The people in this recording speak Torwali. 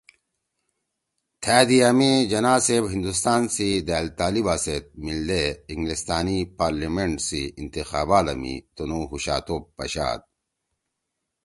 تھأ دِیا می جناح صیب ہندوستان سی دأل طالبآ سیت میِلدے اِنگلستانی پارلیمینٹ سی انتخابادا می تنُو ہُوشاتوپ پشاد